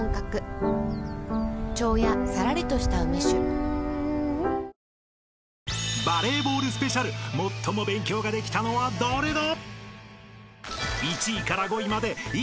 最高の渇きにＤＲＹ［バレーボールスペシャル最も勉強ができたのは誰だ？］